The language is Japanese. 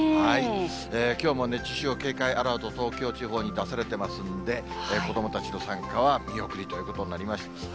きょうも熱中症警戒アラート、東京地方に出されてますんで、子どもたちの参加は見送りということになりました。